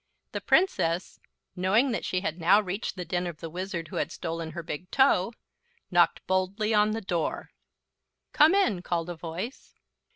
The Princess, knowing that she had now reached the den of the Wizard who had stolen her big toe, knocked boldly on the door. "Come in!" called a voice.